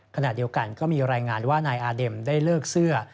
ขณะเดียวกันก็มีรายงานว่านายอาเด็มได้เลิกเสื้อ